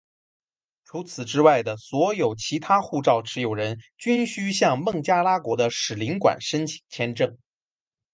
除此之外的所有其他护照持有人均须向孟加拉国的使领馆申请签证。